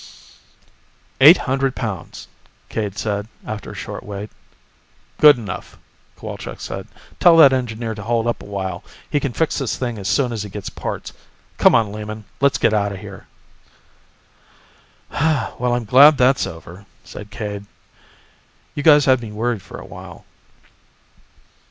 "Eight hundred pounds," Cade said, after a short wait. "Good enough," Cowalczk said. "Tell that engineer to hold up a while, he can fix this thing as soon as he gets parts. Come on, Lehman, let's get out of here." "Well, I'm glad that's over," said Cade. "You guys had me worried for a while."